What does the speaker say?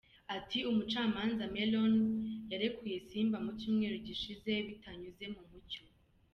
Ati “Umucamanza Meron yarekuye Simba mu Cyumweru gishize bitanyuze mu mucyo.